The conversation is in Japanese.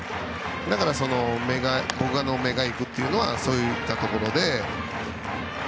だから、僕の目がいくというのはそういったところで。